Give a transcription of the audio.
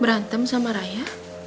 berantem sama raya